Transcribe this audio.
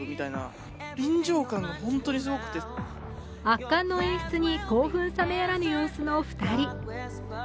圧巻の演出に興奮冷めやらぬ様子の２人。